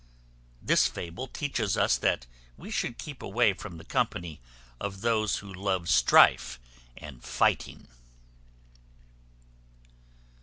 This fable teaches us that we should keep away from the company of those who love strife and fighting.